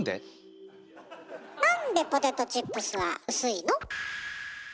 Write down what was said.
なんでポテトチップスは薄いの？